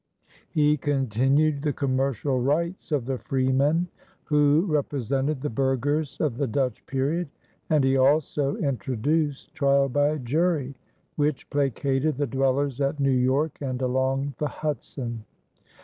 He continued the commercial rights of the freeman who represented the burghers of the Dutch period, and he also introduced trial by jury, which placated the dwellers at New York and along the Hudson.